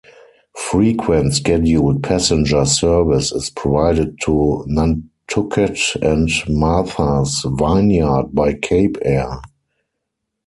Frequent scheduled passenger service is provided to Nantucket and Martha's Vineyard by Cape Air.